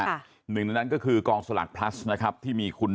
หนึ่งในนั้นก็คือกองสลักพลัสนะครับที่มีคุณ